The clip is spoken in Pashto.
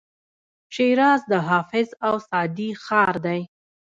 شیراز د حافظ او سعدي ښار دی.